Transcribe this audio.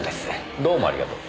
どうもありがとう。